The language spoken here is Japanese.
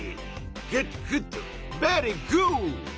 グッドグッド！ベリーグー！